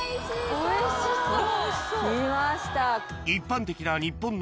おいしそう！